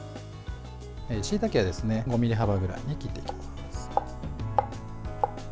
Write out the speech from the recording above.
しいたけは５ｍｍ幅くらいに切っていきます。